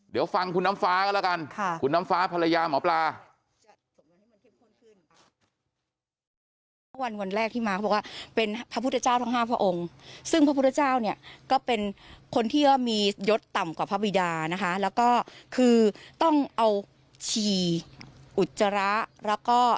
เดี๋ยวฟังคุณน้ำฟ้ากันแล้วกันคุณน้ำฟ้าภรรยาหมอปลา